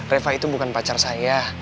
reva itu bukan pacar saya